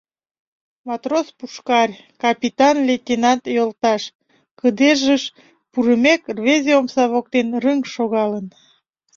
— Матрос Пушкарь, капитан-лейтенант йолташ, — кыдежыш пурымек, рвезе омса воктен рыҥ шогалын.